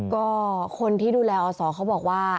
ก็คนที่ดูแลอศเขาบอกว่า